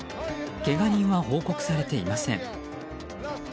けが人は報告されていません。